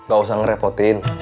gak usah ngerepotin